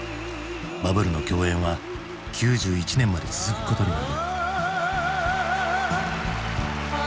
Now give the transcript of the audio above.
バブルの狂宴は９１年まで続くことになる。